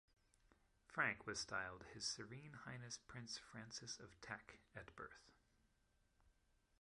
Frank was styled "His Serene Highness Prince Francis of Teck" at birth.